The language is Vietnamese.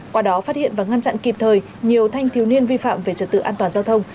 qua đó phát hiện và ngăn chặn kịp thời nhiều thanh thiếu niên vi phạm về trật tự an toàn giao thông